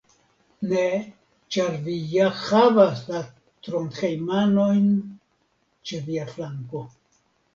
Ne, ĉar vi ja havas la Trondhejmanojn ĉe via flanko.